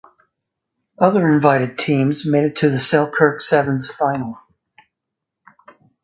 Other invited teams made it to the Selkirk Sevens final.